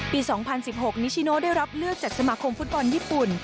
๒๐๑๖นิชิโนได้รับเลือกจากสมาคมฟุตบอลญี่ปุ่น